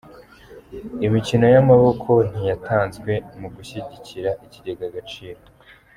Imikino Yamaboko ntiyatanzwe mu gushyigikira Ikigega Agaciro